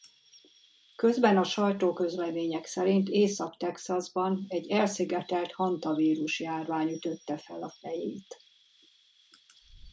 Közben a sajtóközlemények szerint Észak-Texasban egy elszigetelt Hanta-vírus járvány ütötte fel a fejét.